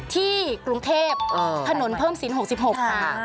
ที่กรุงเทพถนนเพิ่มศิลป๖๖ค่ะ